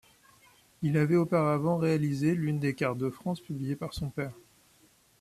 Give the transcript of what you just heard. Il avait auparavant réalisé l’une des cartes de France publiée par son père.